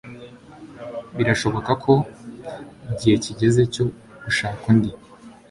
birashoboka ko igihe kigeze cyo gushaka undi